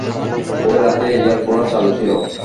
ঐ রাতে air cooler চালু ছিল।